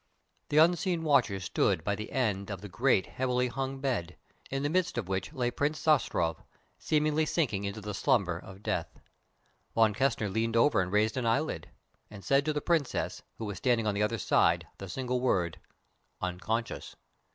The unseen watchers stood by the end of the great heavily hung bed, in the midst of which lay Prince Zastrow, seemingly sinking into the slumber of death. Von Kessner leaned over and raised an eyelid, and said to the Princess, who was standing on the other side, the single word: "Unconscious."